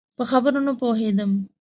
په خبره نه پوهېدی؟